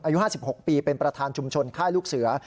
อายุ๕๖ปีเป็นประธานชุมชนค่ายลูกเสือ